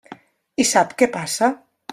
I sap què passa?